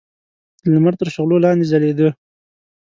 د لمر تر شغلو لاندې ځلېده.